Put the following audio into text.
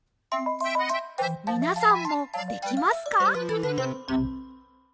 みなさんもできますか？